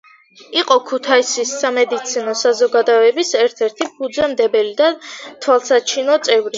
იყო ქუთაისის სამედიცინო საზოგადოების ერთ-ერთი ფუძემდებელი და თვალსაჩინო წევრი.